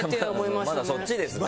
まだそっちですね。